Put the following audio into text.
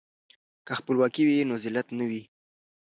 که خپلواکي وي نو ذلت نه وي.